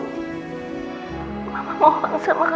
kalau harus menerima perselingkuhan yang sudah optimistic kak